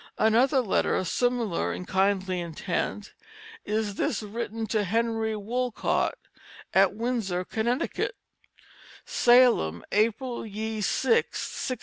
Another letter similar in kindly intent is this written to Henry Wolcott, at Windsor, Connecticut; "SALEM, April ye 6th, 1695.